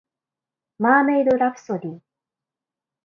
マーメイドラプソディ